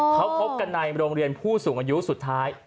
เขาพบกันในโรงเรียนผู้สูงอายุสุดท้าย